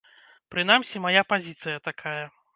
Прынамсі, мая пазіцыя такая.